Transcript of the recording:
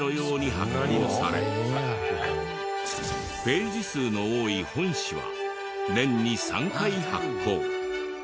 ページ数の多い本紙は年に３回発行。